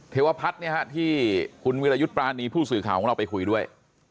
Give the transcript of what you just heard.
เทวพัฒน์ที่คุณวิรยุทธ์ปรานีผู้สื่อข่าวของเราไปคุยด้วย